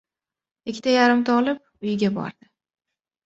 Ikkita yarimta olib uyiga bordi.